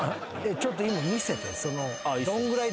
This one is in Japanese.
ちょっと今見せて。